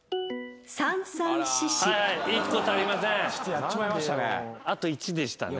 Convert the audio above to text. やっちまいましたね。